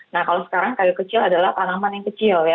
nah kalau sekarang kayu kecil adalah tanaman yang kecil ya